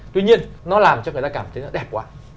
tuy nhiên nó làm cho người ta cảm thấy nó đẹp quá